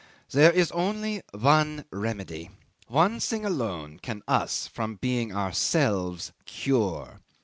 '"There is only one remedy! One thing alone can us from being ourselves cure!"